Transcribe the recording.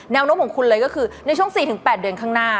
นบของคุณเลยก็คือในช่วง๔๘เดือนข้างหน้า